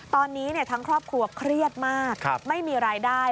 ตอนนี้ทั้งครอบครัวเครียดมากไม่มีรายได้